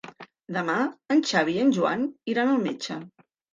Demà en Xavi i en Joan iran al metge.